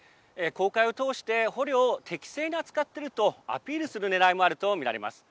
公開を通して捕虜を適正に扱っているとアピールするねらいもあると見られます。